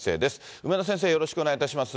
梅田先生、よろしくお願いいたします。